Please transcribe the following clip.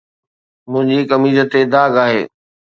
منهنجي قميص تي هڪ داغ آهي